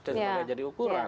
dan semuanya jadi ukuran